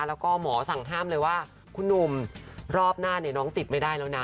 แล้วก็หมอสั่งห้ามเลยว่าคุณหนุ่มรอบหน้าเนี่ยน้องติดไม่ได้แล้วนะ